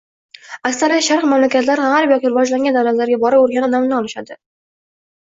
aksariyat Sharq mamlakatlari Gʻarb yoki rivojlangan davlatlarga borib, oʻrganib, namuna olishadi.